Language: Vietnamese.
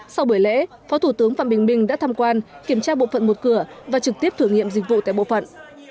sau buổi lễ phó thủ tướng phạm bình minh đã tham quan kiểm tra bộ phận một cửa và trực tiếp thử nghiệm dịch vụ tại bộ phận